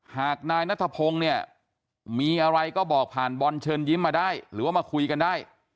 หากนายนัทพงศ์เนี่ยมีอะไรก็บอกผ่านบอลเชิญยิ้มมาได้หรือว่ามาคุยกันได้